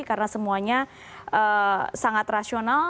karena semuanya sangat rasional